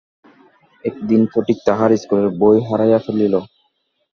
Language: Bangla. একদিন ফটিক তাহার স্কুলের বই হারাইয়া ফেলিল।